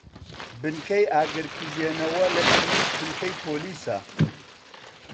بنکەی ئاگرکوژێنەوە لەتەنیشت بنکەی پۆلیسە.